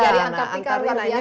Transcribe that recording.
jadi antartika luar biasa